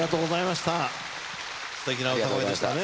すてきな歌声でしたね。